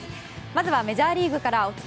まずはメジャーリーグから。